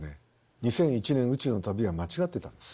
「２００１年宇宙の旅」は間違ってたんです。